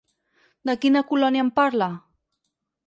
De quina colònia em parla?